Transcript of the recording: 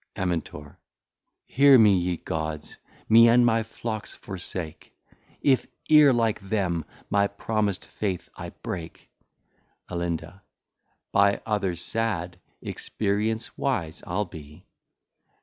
Amin. Hear me ye Gods. Me and my Flocks forsake, If e're like them my promis'd Faith I brake. Alin. By others sad Experience wise I'le be.